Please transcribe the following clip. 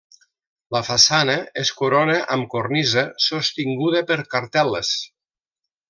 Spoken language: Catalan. La façana es corona amb cornisa sostinguda per cartel·les.